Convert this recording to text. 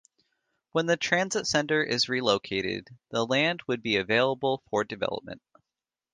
When the transit center is relocated, the land would be available for development.